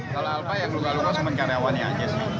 kalau alfa ya berluka luka semen karyawannya aja sih